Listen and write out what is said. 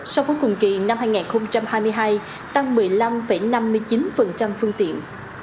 sau cuối cùng kỳ năm hai nghìn hai mươi hai tăng một mươi năm năm mươi chín phương tiện